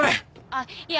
あっいや